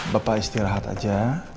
bapak istirahat aja